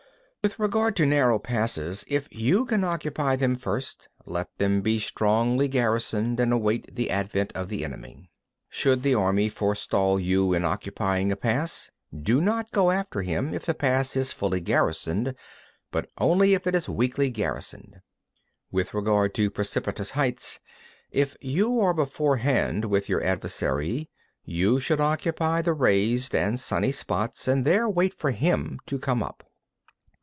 8. With regard to narrow passes, if you can occupy them first, let them be strongly garrisoned and await the advent of the enemy. 9. Should the enemy forestall you in occupying a pass, do not go after him if the pass is fully garrisoned, but only if it is weakly garrisoned. 10. With regard to precipitous heights, if you are beforehand with your adversary, you should occupy the raised and sunny spots, and there wait for him to come up.